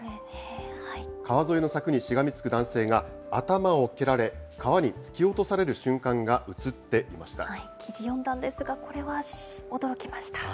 川沿いの柵にしがみつく男性が頭を蹴られ、川に突き落とされる瞬記事、読んだんですが、これは驚きました。